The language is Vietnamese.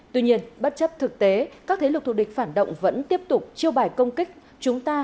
tuy nhiên bất chấp thực tế các thế lực thù địch phản động vẫn tiếp tục chiêu bài công kích chúng ta